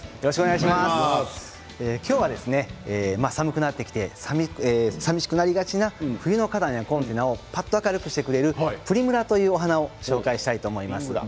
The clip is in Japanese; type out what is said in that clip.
今日は寒くなってきてさみしくなりがちな冬の花壇やコンテナをぱっと明るくしてくれるプリムラというお花を紹介したいと思います。